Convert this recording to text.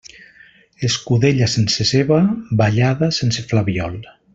Escudella sense ceba, ballada sense flabiol.